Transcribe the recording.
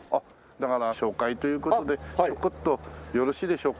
だから紹介という事でちょこっとよろしいでしょうか？